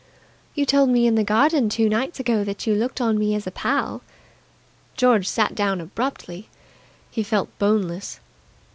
"You told me in the garden two nights ago that you looked on me as a pal." George sat down abruptly. He felt boneless.